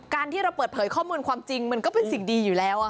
การที่เราเปิดเผยข้อมูลความจริงมันก็เป็นสิ่งดีอยู่แล้ว